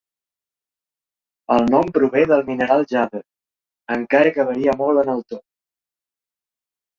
El nom prové del mineral jade, encara que varia molt en el to.